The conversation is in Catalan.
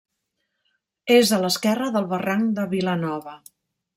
És a l'esquerra del barranc de Vilanova.